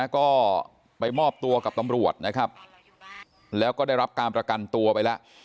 ก็ไปมอบตัวกับตำรวจนะครับแล้วก็ได้รับการประกันตัวไปแล้ว